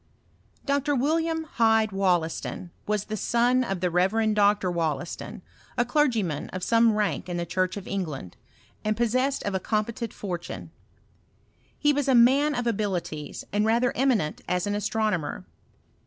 Dr. WiDiam Hyde Wollaston, was the son of the Reverend Dr. Wollaston, a clergyman of some rank in the church of England, and possessed of a com petent fortune. He was a man of abilities, and radier eminent as an astronomer.